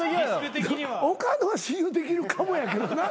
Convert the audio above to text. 岡野は信用できるかもやけどな。